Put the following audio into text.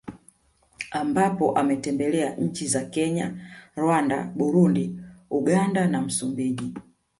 Ambapo ametembelea nchi za Kenya Rwanda Burundi Uganda na Msumbiji